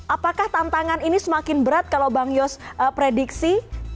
apakah tantangan ini semakin berat kalau bang yos prediksi